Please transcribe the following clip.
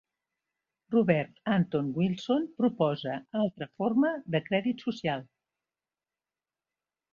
Robert Anton Wilson proposa altra forma de Crèdit Social.